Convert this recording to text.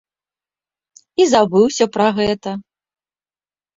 І забыўся пра гэта.